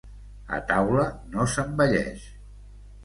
A taula no s'envelleix.